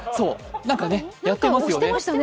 何かやってますよね。